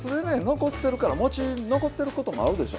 残ってるから餅残ってることもあるでしょ。